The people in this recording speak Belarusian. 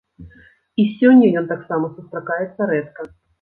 І сёння ён таксама сустракаецца рэдка.